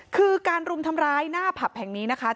คือการรุมทำร้ายหน้าผับแห่งนี้นะคะ